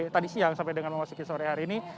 tadi siang sampai dengan memasuki sore hari ini